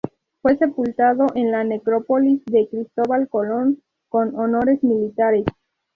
Fue sepultado en la Necrópolis de Cristóbal Colón, con honores militares.